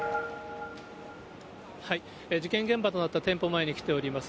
事件現場となった店舗前に来ております。